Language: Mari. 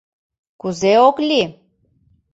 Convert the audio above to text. — Кузе ок лий?